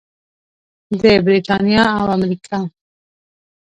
د بریتانیا او امریکا.